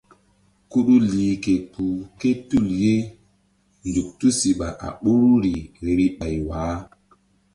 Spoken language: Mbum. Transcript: Kuɗu lih ke kpuh ké tul ye zuk tusiɓa a ɓoruri vbi ɓay wah.